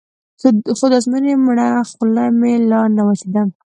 خو د ازموینې مړه خوله مې لا نه وچېده.